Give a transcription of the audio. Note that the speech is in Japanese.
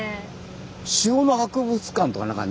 塩の博物館とかなかった？